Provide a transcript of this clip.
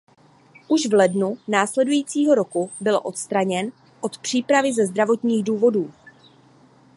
Už v lednu následujícího roku byl odstraněn od přípravy ze zdravotních důvodů.